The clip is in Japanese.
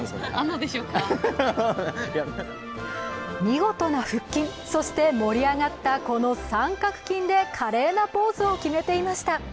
見事な腹筋、そして盛り上がったこの三角筋で華麗なポーズを決めていました。